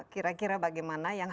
kira kira bagaimana yang